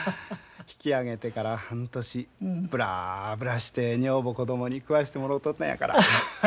引き揚げてから半年ブラブラして女房子供に食わしてもろうとったんやから。